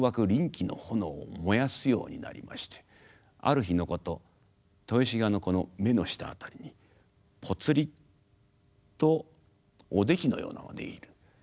悋気の炎を燃やすようになりましてある日のこと豊志賀の目の下辺りにポツリとおできのようなものが出来る。